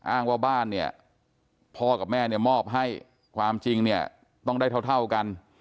อ้างว่าบ้านเนี่ยพ่อกับแม่เนี่ยมอบให้ความจริงเนี่ยต้องได้เท่ากัน